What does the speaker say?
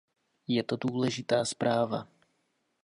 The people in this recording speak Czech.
Je to důležitá zpráva.